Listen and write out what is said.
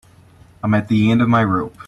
I'm at the end of my rope.